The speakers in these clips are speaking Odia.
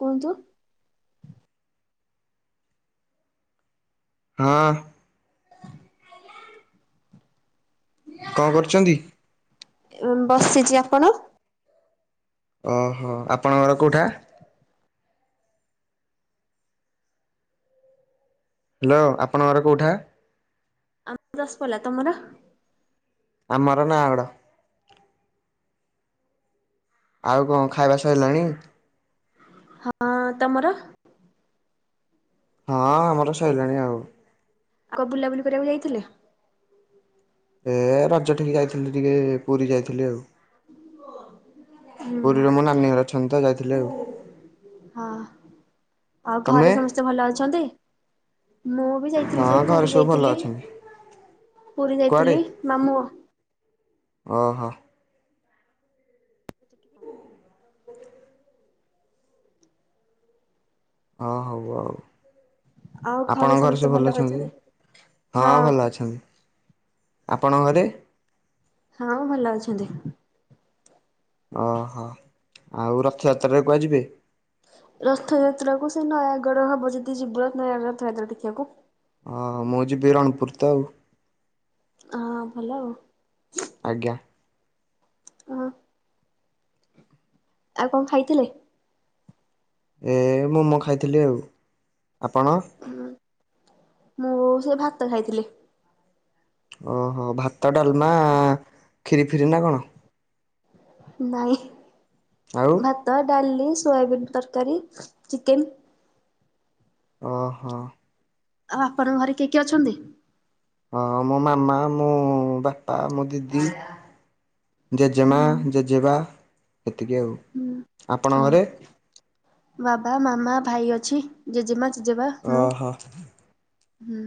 କୁହନ୍ତୁ? ହଁ। କଣ କରୁଚନ୍ତି? ବସିଚି, ଆପଣ? ଓହୋ ଆପଣଙ୍କର କୋଉଠା? ହାଲୋ, ଆପଣଙ୍କର କୋଉଠା? ଆମ ଦଶ ପଲା ତମର? ଆମର ନା ଗଡ। ଆଉ କଣ ଖାଇବା ସରିଲାଣି? ହଁ, ତମର? ହଁ, ଆମର ସଇଲାଣି ଆଉ। ଆଉ କ ବୁଲାବୁଲି କରିବାକୁ ଯାଇଥିଲେ? ଏ ରଜ ଟିକ ଯାଇଥିଲି ଟିକେ ପୁରୀ ଯାଇଥିଲି ଆଉ। ହୁଁ ପୁରୀର ମୋ ନାନୀ ଘର ଅଛନ୍ତି ତ ଯାଇଥିଲି ଆଉ। ହଁ ଆଉ ତମେ? ଘରେ ସମସ୍ତେ ଭଲ ଅଛନ୍ତି? ମୁଁ ବି ଯାଇଥିଲି ସେ ହଁ ଘରେ ପୁରୀ ସବୁ ଭଲ ଯାଇଥିଲି। ଅଛନ୍ତି। ପୁରୀ ଯାଇଥିଲି ମାମୁ ଓ ହୋ। ଅ ହବ ଆଉ। ଆପଣଙ୍କ ଘରେ ସବୁ ଭଲ ଅଛନ୍ତି? ହଁ ଭଲ ଅଛନ୍ତି। ଆପଣ ଘରେ? ଛନ୍ତି। ଓହୋ ଆଉ ରଥଯାତ୍ରାରେ କୁଆଯିବେ? ରଥଯାତ୍ରାକୁ ସେ ନୟାଗଡ଼ ହବ ଜଦି ଯିବୁ ରତ୍ନ ୟାଗର ରଥଯାତ୍ରା ଦେଖିବାକୁ। ହଁ ମୋ ଜିବି ରଣପୁର ତ ଆଉ। ହଁ ଭଲ ଆଉ। ଆଜ୍ଞା। ହଁ। ଆଉ କଣ ଖାଇଥିଲେ? ଏ ମୋମୋ ଖାଇଥିଲି ଆଉ, ଆପଣ? ମୁଁ ସେ ଭାତ ଖାଇଥିଲି। ଓହୋ ଭାତ, ଡାଲମା, ଖିରି ଫିରି ନା କଣ? ନାଇଁ ଆଉ ଭାତ, ଡାଲି। ସୋୟାବିନ୍ ତରକାରୀ, ଚିକେନ୍। ଓ ହୋ। ଆଉ ଆପଣଙ୍କ ଘରେ କିଏ କିଏ ଅଛନ୍ତି? ହଁ ମୋ ମାମା, ମୁଁ, ବାପା, ମୋ ଦିଦି। ଜେଜେମା, ଜେଜେବା ଏତିକି ଆଉ, ଓ ଆପଣଙ୍କ ଘରେ? ବାବା, ମାମା, ଭାଇ ଅଛି ।ଜେଜେମା ଜେଜେବା, ଓ ମୁଁ। ହୋ। ହୁଁ।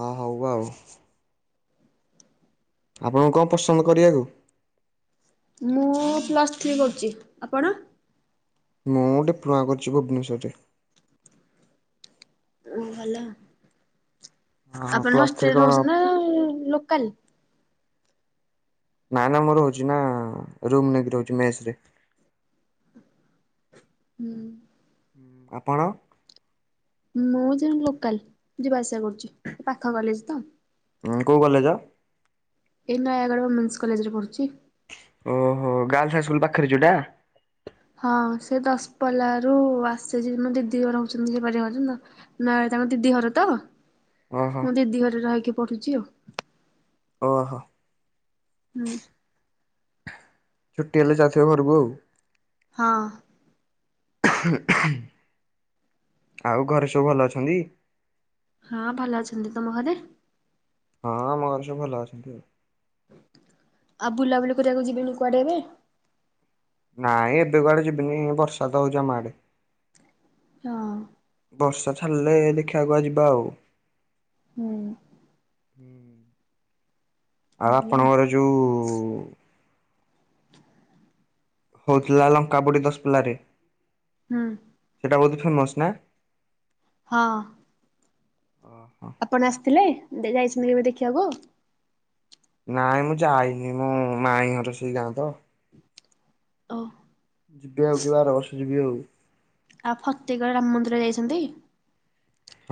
ହଁ ହଉ ଆଉ। ଆପଣଙ୍କୁ କଣ ପସନ୍ଦ କରିବାକୁ? ମୁଁ ପ୍ଲସ୍ ଥ୍ରୀ କରୁଚି। ଆପଣ? ମୁଁ ଡିପ୍ଲୋମା କରୁଚି ଭୁବନେଶ୍ୱରରେ। ଓ ଭଲ। ହଁ ଆପଣ ପ୍ଲସ୍ ଥ୍ରୀ ହଷ୍ଟେଲରେ କଣ ରହୁଚନ୍ତି ନା ଲୋକାଲ? ନା ନା ମୁଁ ରୋହୁଚିନା ରୁମ ନେଇକି ରହୁଚି ମେସରେ। ହୁଁ। ଆପଣ? ମୁଁ ଯୋଉ ଲୋକାଲ ଯିବା ଆସିବା କରୁଛଚି ପାଖ କଲେଜ ତ। କୋଉ କଲେଜ? ଏଇ ନୟାଗଡ଼ ଓମେନ୍ସ କଲେଜରେ ପଢୁଚି। ଓହୋ ଗାର୍ଲସ ହାଇସ୍କୁଲ ପାଖରେ ଯୋଉଟା? ହଁ ସେ ଦଶପଲା ରୁ ଆସଚି ମ ଦିଦି ଘର ରହୁ ଚନ୍ତି ସେପାର ରହୁଚନ୍ତି ତ ନୟ ତାଙ୍କ ଦିଦି ଘର ତ ଓହୋ ମୁଁ ଦିଦି ଘରେ ରହିକି ପଢୁଛି ଆଉ। ଓହୋ। ହୁଁ। ଛୁ୍ଟି ହେଲେ ଯାଉଥିବେ ଘରକୁ ଆଉ। ହଁ। [inaudible] ଆଉ ଘରେ ସବୁ ଭଲ ଅଛନ୍ତି? ହଁ ଭଲ ଅଛନ୍ତି। ତମ ଘରେ? ହଁ ଆମ ଘରେ ସବୁ ଭଲ ଅଛନ୍ତି ଆଉ। ଆଉ ବୁଲାବୁଲି କରିବାକୁ ଯିବେନି କୁଆଡେ ଏବେ? ନାଇଁ ଏବେ କୁଆଡେ ଯିବିନି, ବର୍ଷା ତ ହଉଚି ଆମ ଆଡେ। ହଁ। ବର୍ଷା ଛାଡ଼ିଲେ ଦେଖିବା କୁୁଆ ଯିବା ଆଉ। ହୁଁ। ହୁଁ ଆଉ ଆପଣଙ୍କର ଯୋଉ ହଉଥିଲା ଲଙ୍କପୋଡ଼ି ଦଶପଲାରେ। ହୁଁ ସେଟା ବହୁତ୍ ଫେମୋସ ନା? ହଁ। ଓହୋ ଆପଣ ଆସିଥିଲେ, ଯା-ଯାଇଚନ୍ତି କେବେ ଦେଖିବାକୁ? ନାଇଁ ମୁଁ ଯାଇନି ମୁଁ ମାଇ ଘର ସେଇ ଗାଆଁ ତ। ଓ । ଯିବି ଆଉ କେବେ ଆରବର୍ଷ ଯିବି ଆଉ। ଆଉ ଫତେଗଡ଼ ରାମ ମନ୍ଦିର ଯାଇଚନ୍ତି?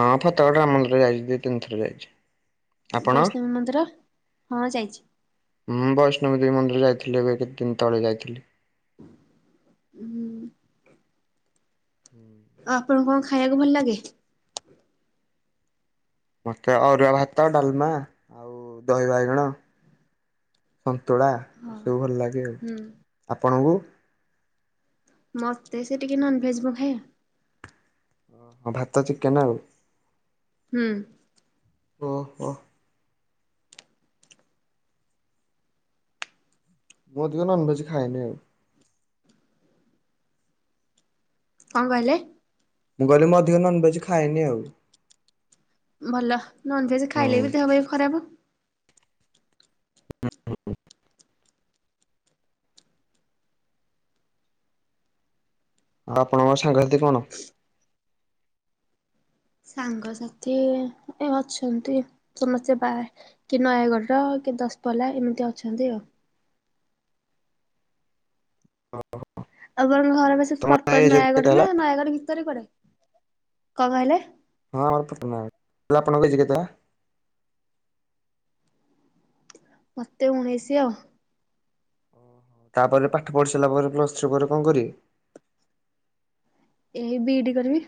ହଁ ଫତେଗଡ଼ ରାମ ମନ୍ଦର ଯାଇଚି, ଦିତିନି ଥର ଯାଇଚି। ଆପଣ ବୈଷ୍ଣବୀ ମନ୍ଦିର? ହଁ ବୈଷ୍ଣବ ଦେବୀ ମନ୍ଦିର। ଯାଇଥିଲି ଏବେ କେତେ ଦିନ ତଳେ ଯାଇଥିଲି। ହୁଁ। ହୁଁ। ଆଉ ଆପଣଙ୍କୁ କଣ ଖାଇବାକୁ ଭଲ ଲାଗେ? ମୋତେ ଅରୁଆ ଭାତ ଡାଲମା ଆଉ ଦହି ବାଇଗଣ। ସନ୍ତୁଳା ହଁ ଏସବୁ ଭଲ ଲାଗେ। ଆଉ ହୁଁ। ଆପଣଙ୍କୁ? ମତେ ସେ ଟିକେ ନନଭେଜ ରୂହେ ଆଉ। ଓହୋ ଭାତ ଚିକେନ ଆଉ। ହୁଁ। ଓହୋ। ବହୁ ଦିଓ ନନଭେଜ ଖାଏନି ଆଉ। କଣ କହିଲେ? ମୁଁ କହିଲି ମୁଁ ଅଧିକ ନନଭେଜ ଖାଏନି ଆଉ। ଭଲ ନନଭେଜ ହୁଁ ଖାଇଲେ ବି ଆଉ ଦେହ ପାହ ଖରାପ। [unintelligible] ଆଉ ଆପଣଙ୍କ ସାଙ୍ଗସାଥି କଣ ସାଙ୍ଗସାଥି ଏ ଅଛନ୍ତି ସମସ୍ତେ ବାହା, କିଏ ନୟାଗଡ଼ର କି ଦସପଲ୍ଲା ଏମିତି ଅଛନ୍ତି ଆଉ। ଆପଣଙ୍କ ଘର ସେ ତମ ପ୍ରପର ଏଜ କେତେ ନୟାଗଡ ହେଲା ନା ନୟାଗଡ ଭିତରେ କୁଆଡେ? କଣ କହିଲେ? ହଁ ଆମର ଫପ ନୟାଗଡ଼ ହେଲେ ଆପଣଙ୍କ ହେଇଚି କେତେ ଏ? ମତେ ଉଣେଇସି ଆଉ। ତାପରେ ପାଠ ପଢି ସାରିଲା ପରେ ପ୍ଲସ ଥ୍ରୀ ପରେ କଣ କରିବେ? ଏଇ ବି ଇ ଡି କରିବି।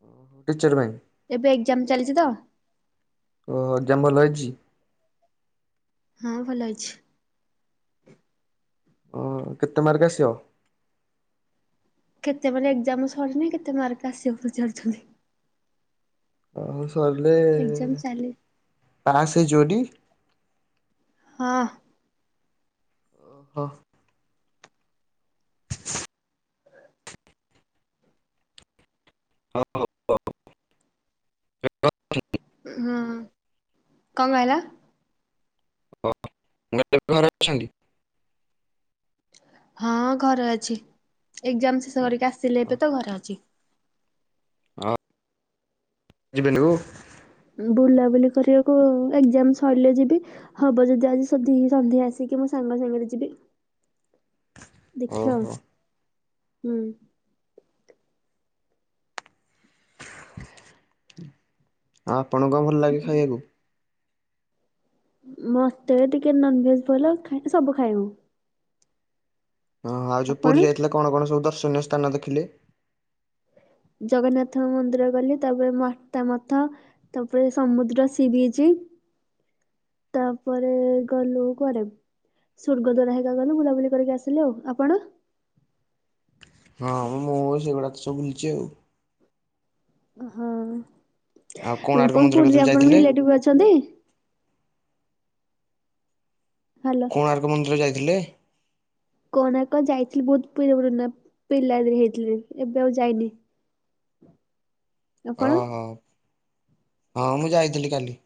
ଓ ହୋ ଟିଚର ପାଇଁ? ଏବେ ଏକ୍ଜାମ ଚାଲିଚି ତ। ଜାମ ଭଲ ହେଇଚି? ହଁ ଭଲ ହେଇଛି। ହଁ କେତେ ମାର୍କ ଆସିବ? କେତେ ମାନେ ଏକ୍ସଜାମ ସରିନି କେତେ ମାର୍କ ଆସିବ ପଚାରୁଛନ୍ତି। ଆ ସରିଲେ ଏକ୍ଜାମ ଚାଲି ପାସ ହେଇଯିବ ଟି? ହଁ। ଓଃ [inaudible] [unintelligible] ହୁଁ କଣ କହିଲ? ଓ ମ [unintelligible] ଘରେ ଅଛନ୍ତି। ହଁ ଘରେ ଅଛି ଏକ୍ସଜାମ ଶେଷ କରିକି ଆସିଲି ଏବେ ତ ଘରେ ଅଛି। ଆ ଜିିବେନୁ [unintelligible] ବୁଲାବୁଲି କରିବାକୁ ଏକ୍ସଜାମ୍ ସରିଲେ ଯିବି ହବ ଯଦି ଆଜିି ସୁଧିକି ସନ୍ଧ୍ୟା ଆସିକି ମୋ ସାଙ୍ଗ--। [unintelligible] ଯିବି ଦେଖିଆ ଆଉ ଓହୋ। ହୁଁ। ଆପଣଙ୍କ ଭଲ ଲାଗେ ଖାଇବାକୁ। ମୋତେ ଟିକେ ନନଭେଜ ଭଲ ସବୁ ଖାଏ ମୁଁ ଓହୋ ଆଉ ଯୋଉ ଆପଣ? ପୁରୀ ଯାଇଥିଲ କଣ କଣ ସବୁ ଦର୍ଶନୀୟ ସ୍ଥାନ ଦେଖିଲେ? ଜଗନ୍ନାଥ ମନ୍ଦିର ଗଲି, ତାପରେ ମତା ମଥ, ତାପରେ ସମୁଦ୍ର ସି ବିଚ୍। [inaudible] ତାପରେ ଗଲୁ କୁଆଡେ? ସ୍ଵର୍ଗ ଦ୍ୱାର ହେକା ଗଲୁ ବୁଲାବୁଲି କରିକି ଆସିଲୁ ଆଉ ଆପଣ। ହଁ ମୁଁ ସେଗୁଡା ତ ସବୁ ଭୁଲଚି ଆଉ। ହଁ ଆଉ କୋଣାର୍କ କଣ ମନ୍ଦିର ପୁରୀରେ କେତେବେଳେ ଆପଣ ଯାଇଥିଲେ? ରିଲେଟିବି ଅଛନ୍ତି। ହାଲୋ କୋଣାର୍କ ମନ୍ଦିର ଯାଇଥିଲେ? କୋଣାର୍କ ଯାଇଥିଲି ବହୁତ [unintelligible] ପିଲା ବେଳେ ଯାଇଥିଲି ଏବେ ଆଉ ଯାଇନି। ଆପଣ? ଅହ ହଁ ମୁଁ ଯାଇଥିଲି କାଲି।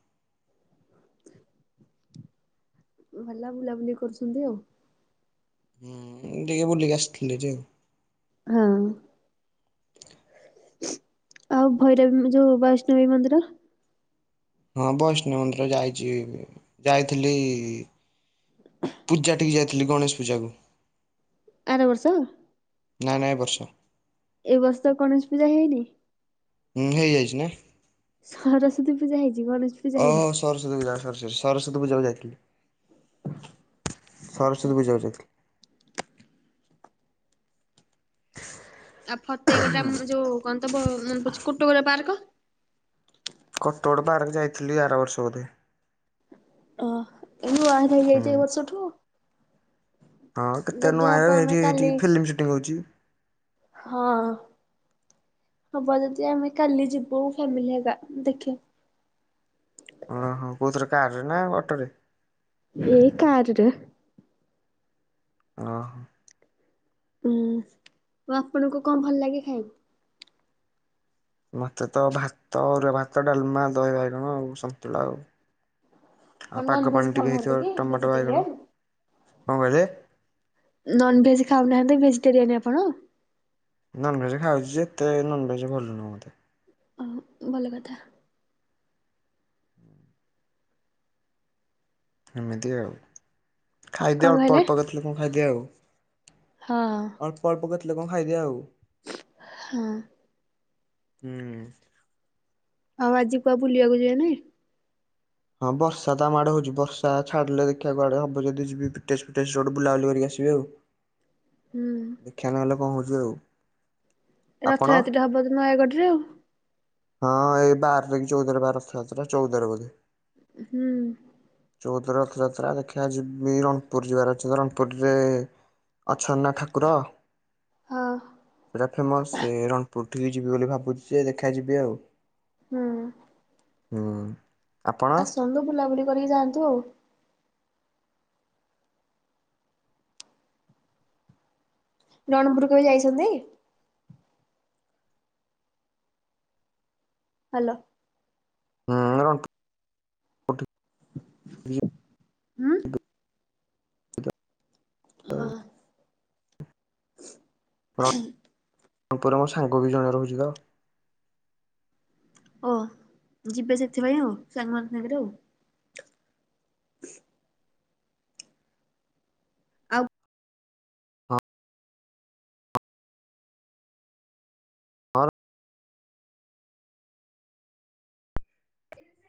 ଭଲ ବୁଲାବୁଲି କରୁଛନ୍ତି ଆଉ। ହୁଁ ଟିକେ ବୁଲିକି ଆସିଥିଲି ହେରି ଆଉ। ହଁ। ଆଉ ଭୈରଵୀ ଯୋଉ ବୈଷ୍ଣବୀ ମନ୍ଦିର। ହଁ ବୈଷ୍ଣଵ ମନ୍ଦିର ଯାଇଚି ଯାଇଥିଲି। ପୂଜା ଟିକି ଯାଇଥିଲି ଗଣେଶ ପୂଜାକୁ ଆର ବର୍ଷ ନାଇଁ ନାଇଁ ବର୍ଷା ଏ ବର୍ଷ ଗଣେଶ ପୂଜା ହେଇନି ହୁଁ, ହେଇଯାଇଛି ନି ସରସ୍ଵତୀ ପୂଜା ହେଇଛି ଗଣେଶ ପୂଜା ଓହୋ ହେଇନି। ସରସ୍ଵତୀ ପୂଜା ସରିସରି ସରସ୍ୱତୀ ପୂଜାକୁ ଯାଇଥିଲି ଆଚ୍ଛା ସରସ୍ୱତୀ ପୂଜାକୁ ଯାଇଥିଲି ଆଉ ଫତେେଇଗଡାମ ଯୋଉ କଣ ତ ମନେ ପଡୁଛି କୁଟୋଗୋରା ପାର୍କ କଟଗୋଡ ପାର୍କ ଯାଇଥିଲି ଆର ବର୍ଷ ବୋଧେ ଅହ ଏହୁଆ ହୁଁ। ହେଇଯାଇଛି ଏ ବର୍ଷଠୁ ହଁ କେତେ ଯଦି ନୂଆ ହବ ଆମେ ଏଇଠି ଏଇଠି କାଲି ଫିଲ୍ମ ସୁଟିଂ ହଉଛି ହଁ ହବ ଯଦି ଆମେ କାଲି ଯିବୁ ଫ୍ୟାମିଲି ହେରିକା ଦେଖି କାର ରେ ନା ଅଟୋ ରେ ଏଇ କାରରେ ଅ ହୁଁ ଆପଣଙ୍କୁ କଣ ଭଲ ଲାଗେ ଖାଇ ମତେ ତ ଭାତ ଅରୁଆ ଭାତ, ଡାଲମା, ଦହି ବାଇଗଣ ଆଉ ସନ୍ତୁଳା ଆଉ କଣ ଆଉ ପାଗ ନନଭେଜ ପାଣି ଟିକେ ଖାଉନାହାନ୍ତି ହେଇଥିବ କି ଟମାଟ ବାଇଗଣ ଭେଜିଟେରିଆନ? କଣ କହିଲେ? ନନଭେଜ ଖାଉନାହାନ୍ତି ଭେଜିଟେରିଆନୀ ଆପଣ? ନନଭେଜ ଖାଉଛିଯେ ଏତେ ନନଭେଜ ଭଲ ନୁହେଁ ମୋତେ। ଅ ଭଲ କଥା। ଏମିତି ଆଉ କଣ ଖାଇଦିଏ ଅଳ୍ପ କହିଲେ ଅଳ୍ପ କେ ଲୋକଙ୍କୁ ଖାଇଦିଏ ଆଉ। ହଁ ଅଳ୍ପ ଅଳ୍ପ କେତେ ଲୋକ କଣ ଖାଇଦିଏ ଆଉ। ହଁ। ହୁଁ। ଆଉ ଆଜି କୁଆ ବୁଲିବାକୁ ଯିବେ ନାଇଁ? ହଁ ବର୍ଷା ତ ଆମଆଡେ ହଉଛି ବର୍ଷା ଛାଡିଲେ ଦେଖିବା କୁଆଡେ ହବ ଯଦ ଯିବି ତେଜ ତେଜ [unintelligible] ବୁଲାବୁଲି କରିକ ଆ ହୁଁ [unintelligible] ଦେଖିଆ ନହେଲେ କଣ ହଉଚି ଆଉ। ଆପଣ? ରଥଯାତ୍ରାଟି ହବ ଯଦି ନୟାଗଡ଼ ରେ ଆଉ। ହଁ ଏଇ ବାର କି ଚଉଦରେ ବା ରଥଯାତ୍ରା ଚଉଦରେ ବୋଧେ। ହୁଁ। ଚଉଦରେ ରଥଯାତ୍ରା ଦେଖିବା, ଯିବି ରଣପୁର ଯିବାର ଅଛି ରଣପୁରରେ ଅଛନ୍ନା ଠାକୁର, ହଁ ପରା ଫେମସ ସେ ରଣ ଉଠିଲି ଯିବି ବୋଲି ଭାବୁଛି ଯେ, ଦେଖାଯିବି ଆଉ। ହୁଁ। ହୁଁ। ଆପଣ ଆସନ୍ତୁ ବୁଲାବୁଲି କରିକି ଯାଆନ୍ତୁ ଆଉ। ରଣପୁର କେବେ ଯାଇଛନ୍ତି? ହାଲୋ। ହୁଁ [unintelligible] ହୁଁ। ହଁ। [inaudible] ହଁ ଉପରେ ମୋ ସାଙ୍ଗ ବି ଜଣେ ରହୁଛି ତ। ଓ ଯିବେ ଯେତେବେଳେ ଆଉ, ସାଙ୍ଗମାନଙ୍କସାଙ୍ଗରେ ଆଉ। [inaudible] ଆଉ। ହଁ